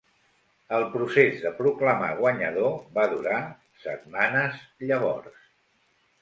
El procés de proclamar guanyador va durar setmanes, llavors.